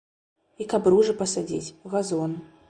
І каб ружы пасадзіць, газон.